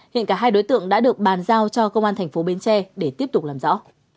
hiện cả hai đối tượng đã được bàn giao cho công an thành phố bến tre để tiếp tục làm rõ